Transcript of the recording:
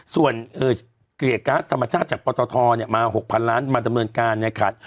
ส่วนเกลียดการ์ดธรรมชาติจากปททมา๖๐๐๐ล้านบาทมาดำเนินการยังขาด